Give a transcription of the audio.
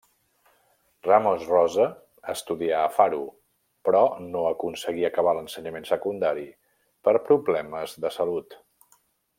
Ramos Rosa estudià a Faro, però no aconseguí acabar l'ensenyament secundari per problemes de salut.